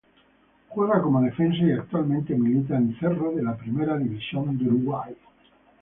Juega como Defensa y actualmente milita en Cerro de la Primera División de Uruguay.